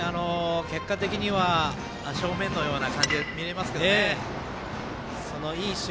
結果的には正面のような感じに見えますけどね。